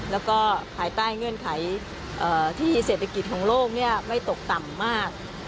แล้วก็ภายใต้เงื่อนไขที่เศรษฐกิจของโลกไม่ตกต่ำมาก